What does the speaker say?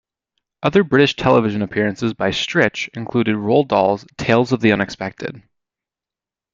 Other British television appearances by Strich included Roald Dahl's "Tales of the Unexpected".